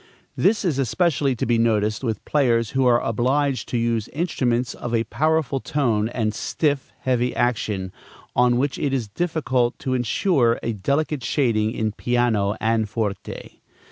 This is especially to be noticed with players who are obliged to use instruments of a powerful tone and stiff, heavy action, on which it is difficult to insure a delicate shading in piano and forte.